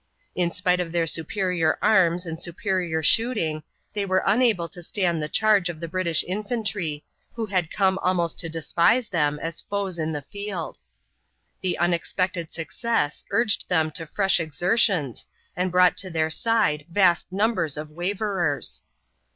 In spite of their superior arms and superior shooting, they were unable to stand the charge of the British infantry, who had come almost to despise them as foes in the field. The unexpected success urged them to fresh exertions and brought to their side vast numbers of waverers.